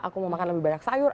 aku mau makan lebih banyak sayur